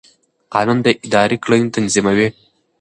قانون د ادارې کړنې تنظیموي.